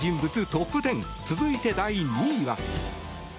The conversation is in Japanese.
トップ１０続いて第２位は。